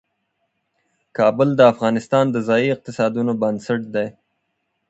کابل د افغانستان د ځایي اقتصادونو بنسټ دی.